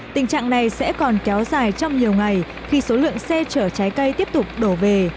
tình trạng này sẽ còn kéo dài trong nhiều ngày khi số lượng xe chở trái cây tiếp tục đổ về